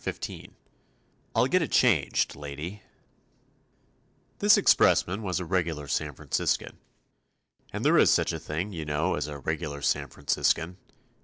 I'll Get It Changed, Lady This expressman was a regular San Franciscan. And there is such a thing, you know, as a regular San Franciscan.